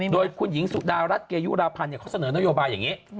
โดยคุณหญิงสุดารัฐเกยุราพันธ์เขาเสนอนโยบายอย่างนี้